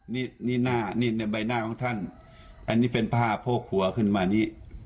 นี่ในใบหน้าของท่านอันนี้เป็นผ้าโพกหัวขึ้นมานี่